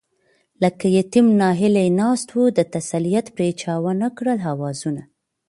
لکه يتيم ناهيلی ناست وو، د تسليت پرې چا ونکړل آوازونه